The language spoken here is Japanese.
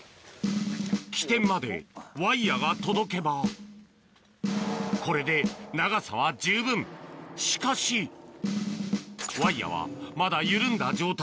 起点までワイヤが届けばこれで長さは十分しかしワイヤはまだ緩んだ状態